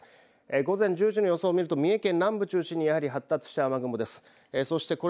午前１０時の予想を見ると三重県南部中心にやはり発達した雨雲です。